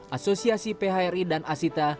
asosiasi phri dan asita